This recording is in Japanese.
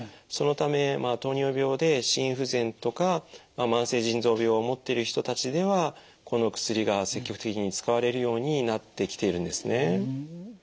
そのため糖尿病で心不全とか慢性腎臓病を持ってる人たちではこの薬が積極的に使われるようになってきているんですね。